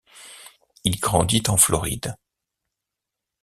Il grandit en Floride.